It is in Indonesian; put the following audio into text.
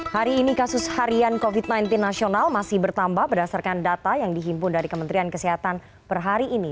hari ini kasus harian covid sembilan belas nasional masih bertambah berdasarkan data yang dihimpun dari kementerian kesehatan per hari ini